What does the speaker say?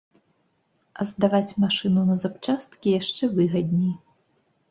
А здаваць машыну на запчасткі яшчэ выгадней.